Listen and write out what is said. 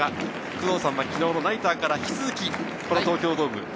工藤さんは昨日のナイターから引き続き東京ドーム。